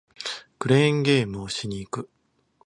クレーンゲームをしに行く